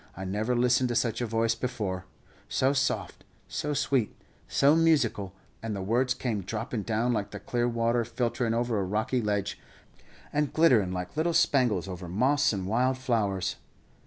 I never listened to such a voice before, so soft, so sweet, so musical, and the words came droppin' down, like the clear water filterin' over a rocky ledge, and glitterin' like little spangles over moss and wild flowers.